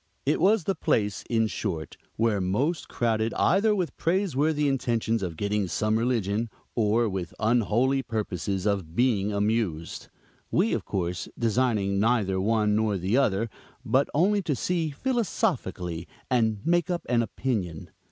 It was the place, in short, where most crowded either with praiseworthy intentions of getting some religion, or with unholy purposes of being amused; we, of course, designing neither one nor the other, but only to see philosophically and make up an opinion.